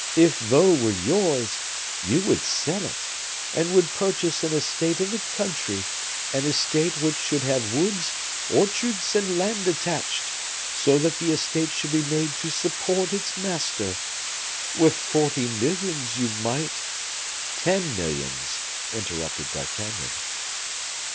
"If Vaux were yours, you would sell it, and would purchase an estate in the country; an estate which should have woods, orchards, and land attached, so that the estate should be made to support its master. With forty millions you might " "Ten millions," interrupted D'Artagnan.